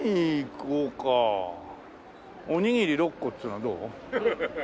おにぎり６個っていうのはどう？